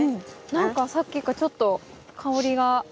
何かさっきからちょっと香りが。